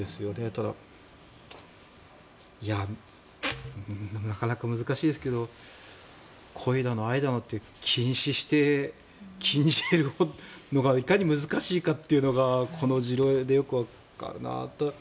ただ、なかなか難しいですけど恋だの愛だのって禁止して禁止するのがいかに難しいかというのがこの事例でよくわかるなと。